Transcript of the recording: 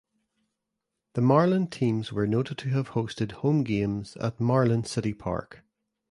The Marlin teams were noted to have hosted home games at Marlin City Park.